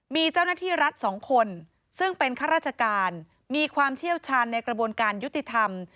มีเจ้าหน้าที่รัฐสองคนซึ่งเป็นข้าราชการมีความเชี่ยวชาญในกระบวนการยุติธรรม